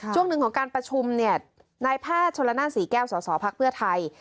ช่วงหนึ่งของการประชุมนายภาพชนศรีแก้วสศภักดิ์เพื่อไทย